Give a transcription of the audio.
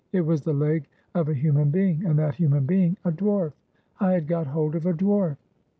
It was the leg of a human being, and that human being a dwarf ! I had got hold of a dwarf